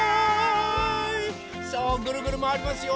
さあぐるぐるまわりますよ。